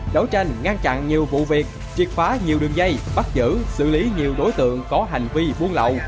đấu tranh ngăn chặn nhiều vụ việc triệt phá nhiều đường dây bắt giữ xử lý nhiều đối tượng có hành vi buôn lậu